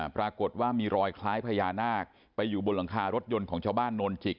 ปรากฏว่ามีรอยคล้ายพญานาคไปอยู่บนหลังคารถยนต์ของชาวบ้านโนนจิก